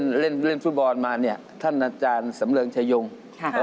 คนนี่ภรรยาเนอะค่ะภรรยาครับสวัสดีค่ะสวัสดีค่ะครับ